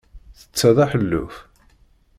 Ttetteḍ aḥelluf?